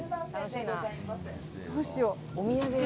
どうしよう。